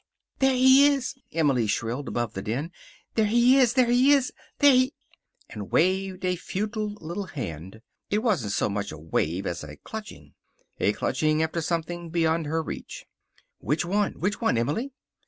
"There he is," Emily shrilled, above the din. "There he is! There he is! There he " And waved a futile little hand. It wasn't so much a wave as a clutching. A clutching after something beyond her reach. "Which one? Which one, Emily?"